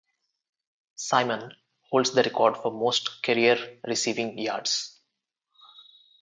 Simon holds the record for most career receiving yards.